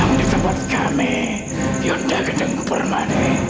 senang datang di tempat kami yunda gedeng permane